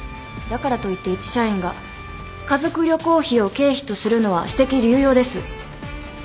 だからといって一社員が家族旅行費を経費とするのは私的流用です。